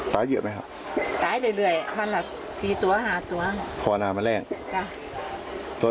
แล้วก็มันตาย